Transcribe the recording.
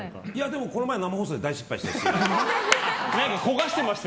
この前生放送で大失敗しました。